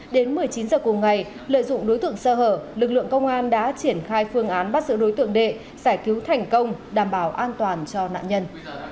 đến một mươi chín h cùng ngày lợi dụng đối tượng sơ hở lực lượng công an đã triển khai phương án bắt giữ đối tượng đệ giải cứu thành công đảm bảo an toàn cho nạn nhân